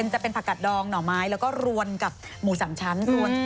จะเป็นผักกัดดองหน่อไม้แล้วก็รวนกับหมู๓ชั้น